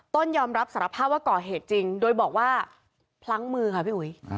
ต้นยอมรับสารภาพว่าก่อเหตุจริงโดยบอกว่าพลั้งมือค่ะพี่อุ๋ย